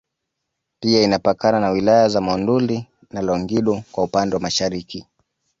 Pia inapakana na wilaya za Monduli na Longido kwa upande wa Mashariki